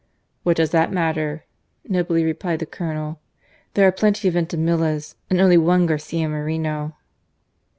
" What does that matter," nobly replied the Colonel. "There are plenty of Vintimillas and only one Garcia Moreno."